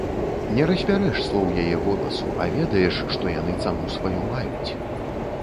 Не разбярэш слоў яе голасу, а ведаеш, што яны цану сваю маюць.